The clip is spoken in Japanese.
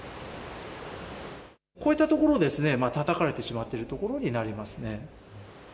こういったところですね、たたかれてしまっている所になりますね。